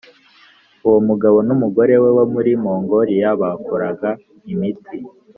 uwo mugabo n’ umugore we bo muri Mongoliya bakoraga imiti.